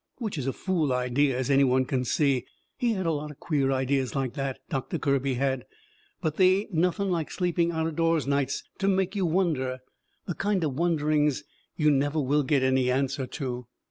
Which is a fool idea, as any one can see. He had a lot of queer ideas like that, Doctor Kirby had. But they ain't nothing like sleeping out of doors nights to make you wonder the kind of wonderings you never will get any answer to.